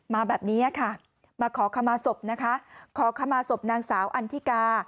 มาแบบนี้ค่ะมาขอขมาศพนะคะขอขมาศพนางสาวอันทิกา